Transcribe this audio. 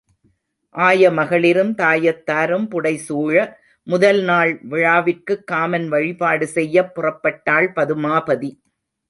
ஆயமகளிரும் தாயத்தாரும் புடைசூழ முதல் நாள் விழாவிற்குக் காமன் வழிபாடு செய்யப் புறப்பட்டாள் பதுமாபதி.